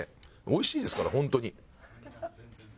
美味しいですからホントに。